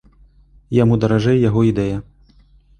Яму даражэй яго ідэя.